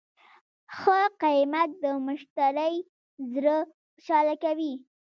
ښه قیمت د مشتری زړه خوشحاله کوي.